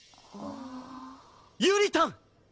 ゆりたん！